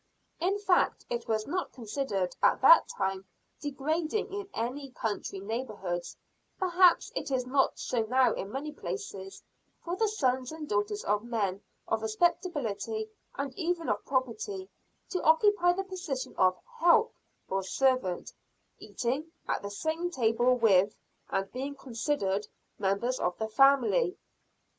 In fact, it was not considered at that time degrading in country neighborhoods perhaps it is not so now in many places for the sons and daughters of men of respectability, and even of property, to occupy the position of "help" or servant, eating at the same table with, and being considered members of the family.